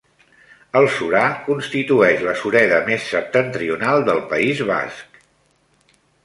El Surar constituïx la sureda més septentrional del País Basc.